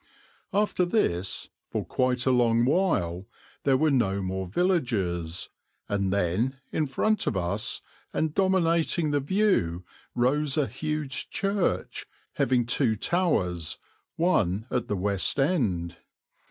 After this, for quite a long while, there were no more villages, and then, in front of us and dominating the view, rose a huge church, having two towers, one at the west end.